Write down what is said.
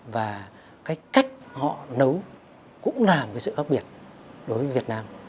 và cái cách họ nấu cũng là một cái sự khác biệt đối với việt nam